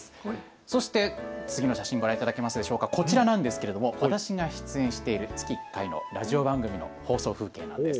そして次の写真ご覧いただけますでしょうか、こちらなんですけれども私が出演している月１回のラジオ番組の放送風景なんです。